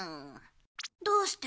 どうして？